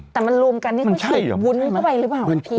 แต่มันรวมกันนี่ไม่ใช่วุ้นเข้าไปหรือเปล่าพี่